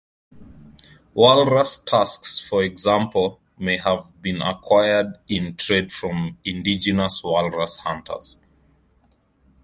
Walrus tusks, for example, may have been acquired in trade from indigenous walrus hunters.